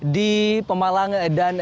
di pemalang dan